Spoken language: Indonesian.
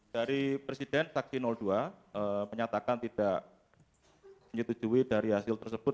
dari presiden saksi dua menyatakan tidak menyetujui dari hasil tersebut